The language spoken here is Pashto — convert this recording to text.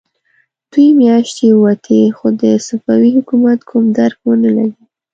دوې مياشتې ووتې، خو د صفوي حکومت کوم درک ونه لګېد.